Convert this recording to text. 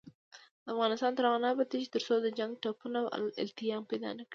افغانستان تر هغو نه ابادیږي، ترڅو د جنګ ټپونه التیام پیدا نکړي.